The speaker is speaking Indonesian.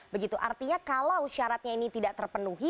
begitu artinya kalau syaratnya ini tidak terpenuhi